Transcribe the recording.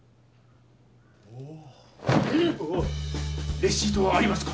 レシートはありますか？